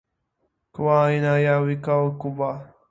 kwa aina ya vichwa vikubwa.